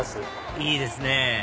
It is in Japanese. いいですね